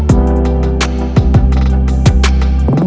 biar kami yang bekerja ibu